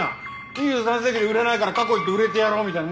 ２３世紀で売れないから過去行って売れてやろうみたいな